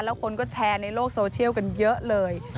แล้วคนก็แชร์ในโลกโซเชียลกันเยอะเลย